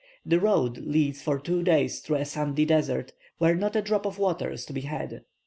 The road leads for two days through a sandy desert, where not a drop of water is to be had."